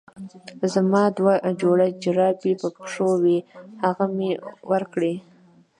زما دوه جوړه جرابې په پښو وې هغه مې ورکړې.